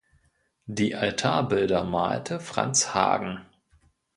Die Altarbilder malte Franz Haagen.